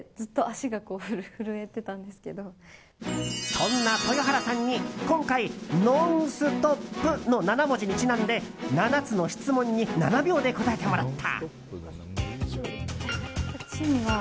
そんな豊原さんに今回「ノンストップ！」の７文字にちなんで７つの質問に７秒で答えてもらった。